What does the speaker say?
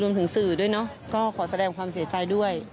รวมถึงสื่อด้วยนะครับขอแสดงความเสียใจด้วย